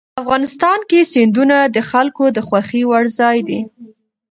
افغانستان کې سیندونه د خلکو د خوښې وړ ځای دی.